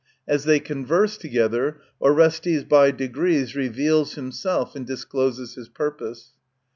As they converse together Orestes by degrees reveals himself and discloses his purpose.